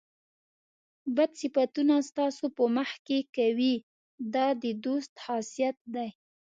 بد صفتونه ستاسو په مخ کې کوي دا د دوست خاصیت دی.